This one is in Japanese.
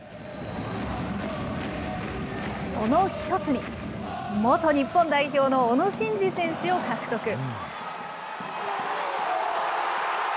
その１つに、元日本代表の小野伸二選手を獲得。